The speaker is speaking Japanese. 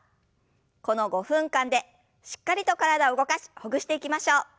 この５分間でしっかりと体を動かしほぐしていきましょう。